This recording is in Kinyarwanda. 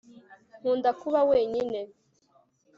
Nkunda kuba wenyine